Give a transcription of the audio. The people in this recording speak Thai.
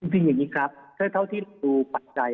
จริงอย่างนี้ครับเท่าที่ดูปัจจัย